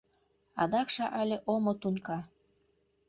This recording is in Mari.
— Адакше але омо тунька.